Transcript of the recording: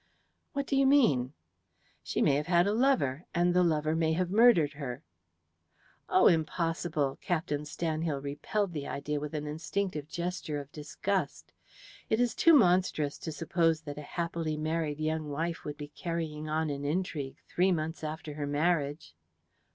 "What do you mean?" "She may have had a lover, and the lover may have murdered her." "Oh, impossible!" Captain Stanhill repelled the idea with an instinctive gesture of disgust. "It is too monstrous to suppose that a happily married young wife would be carrying on an intrigue three months after her marriage."